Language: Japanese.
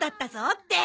って。